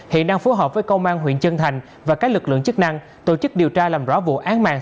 hiện đang phối hợp với công an huyện chân thành và các lực lượng chức năng tổ chức điều tra làm rõ vụ án mạng